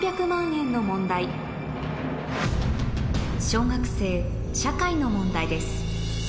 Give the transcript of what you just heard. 小学生社会の問題です